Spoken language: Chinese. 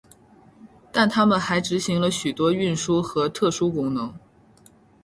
但他们还执行了许多运输和特殊功能。